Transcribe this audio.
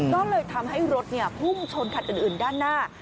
ก็เลยทำให้รถพุ่งชนคันอื่นด้านหน้า